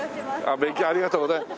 勉強ありがとうございます。